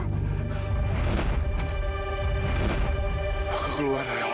ini udah bier ya projectpay apa